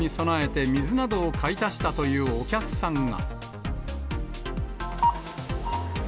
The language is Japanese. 台風に備えて水などを買い足したというお客さんが。